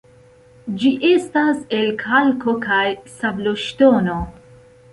Ĝi estas el kalko- kaj sabloŝtono.